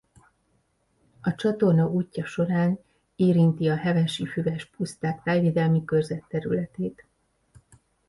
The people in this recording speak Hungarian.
A csatorna útja során érinti a Hevesi Füves Puszták Tájvédelmi Körzet területét.